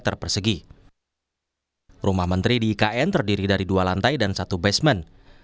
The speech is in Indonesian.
rumah menteri di ikn terdiri dari dua lantai dan satu basement